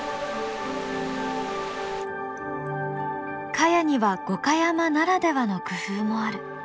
茅には五箇山ならではの工夫もある。